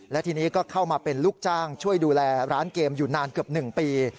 และทีนี้ก็เข้ามาเป็นลูกจ้างช่วยดูแลร้านเกมอยู่นานเกือบ๑ปี